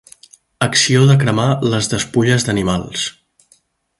Acció de cremar les despulles d'animals.